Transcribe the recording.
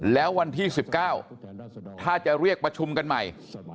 แล้ววันที่๑๙ถ้าจะเรียกประชุมกันใหม่